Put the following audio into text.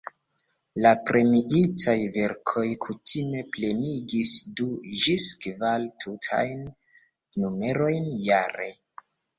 La premiitaj verkoj kutime plenigis du ĝis kvar tutajn numerojn jare.